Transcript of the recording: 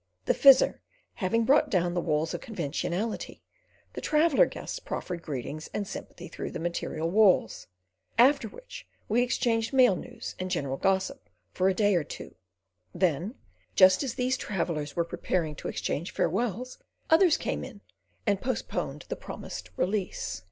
The Fizzer having brought down the walls of conventionality, the traveller guests proffered greetings and sympathy through the material walls, after which we exchanged mail news and general gossip for a day or two; then just as these travellers were preparing to exchange farewells, others came in and postponed the promised release.